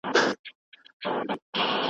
دلاله نه يم چې به لس ياران ساتمه